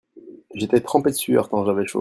J'étais trempé de sueur tant j'avais chaud.